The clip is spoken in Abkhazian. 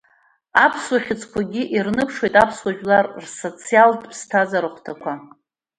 Аԥсуа хьыӡқәагьы ирныԥшуеит аԥсуа жәлар рсоциалтә ԥсҭазаара ахәҭақәа.